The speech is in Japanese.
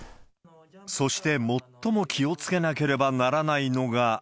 そして、最も気をつけなければならないのが。